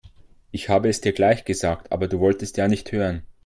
Ich habe es dir gleich gesagt, aber du wolltest ja nicht hören.